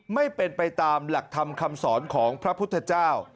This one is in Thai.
ไม่เป็นไปตามหลักธรรมคำสอนของพระพุทธเจ้า